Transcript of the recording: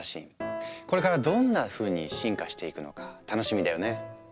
これからどんなふうに進化していくのか楽しみだよね。